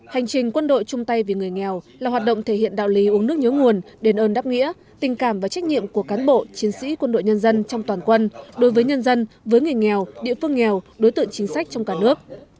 hành trình quân đội trung tây vì người nghèo là hoạt động thể hiện đạo lý uống nước nhớ nguồn đền ơn đáp nghĩa tình cảm và trách nhiệm của cán bộ chiến sĩ quân đội nhân dân trong toàn quân đối với nhân dân với người nghèo địa phương nghèo đối tượng chính sách trong cả nước